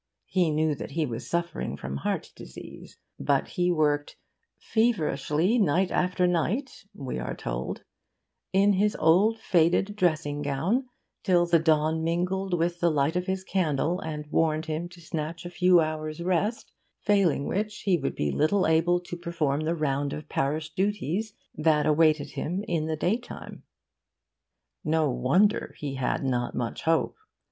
He knew that he was suffering from heart disease. But he worked 'feverishly, night after night,' we are told, 'in his old faded dressing gown, till the dawn mingled with the light of his candle and warned him to snatch a few hours' rest, failing which he would be little able to perform the round of parish duties that awaited him in the daytime.' No wonder he had 'not much hope.